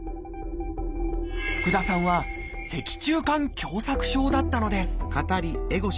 福田さんは「脊柱管狭窄症」だったのです。